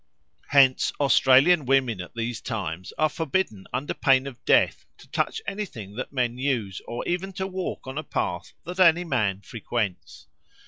Hence Australian women at these times are forbidden under pain of death to touch anything that men use, or even to walk on a path that any man frequents.